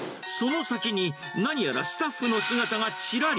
その先に何やらスタッフの姿がちらり。